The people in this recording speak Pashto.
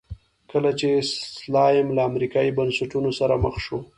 کله چې سلایم له امریکایي بنسټونو سره مخ شو.